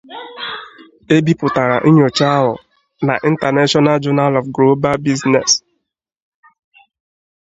E bipụtara nnyocha ahụ na "International Journal of Global Business".